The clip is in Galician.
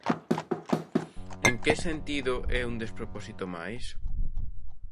En que sentido é un despropósito máis?